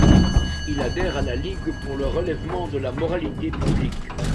Il adhère à la Ligue pour le relèvement de la moralité publique.